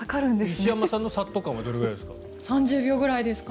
石山さんのさっと感はどれぐらいですか？